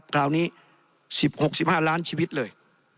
คราวนี้๑๖๑๕ล้านชีวิตเลย